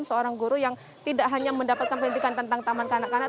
seorang guru yang tidak hanya mendapatkan pendidikan tentang taman kanak kanak